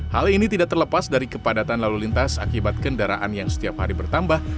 hal ini tidak terlepas dari kepadatan lalu lintas akibat kendaraan yang setiap hari bertambah